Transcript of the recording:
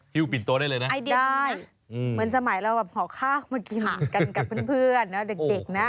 ฮิวปิ่นโตได้เลยนะไอเดียเหมือนสมัยเราแบบห่อข้าวมากินกันกับเพื่อนนะเด็กนะ